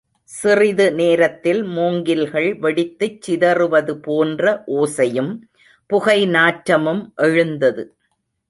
சிறிது நேரத்தில் மூங்கில்கள் வெடித்துச் சிதறுவது போன்ற ஓசையும், புகைநாற்றமும் எழுந்தது.